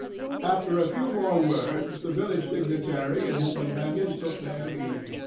After a few more words the village dignitary and his companions took their leave.